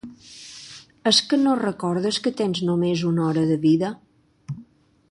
És que no recordes que tens només una hora de vida?